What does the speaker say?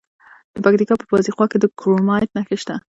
د پکتیکا په وازیخوا کې د کرومایټ نښې شته.